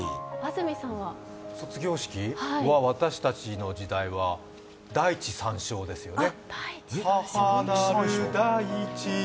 卒業式は私たちの時代は「大地讃頌」ですね。